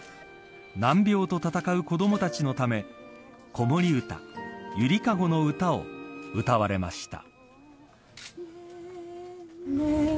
難病とたたかう子どもたちのため子守歌ゆりかごのうたを歌われました。